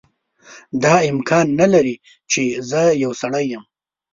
دا امکان نه لري چې زه یو سړی.